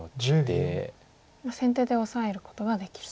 先手でオサえることができると。